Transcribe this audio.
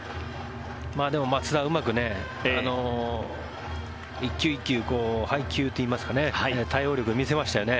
でも松田はうまく１球１球配球といいますか対応力を見せましたよね。